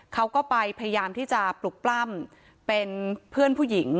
เขาก็ไปพยายามที่จะปลุกปล้ำเป็นเพื่อนผู้หญิง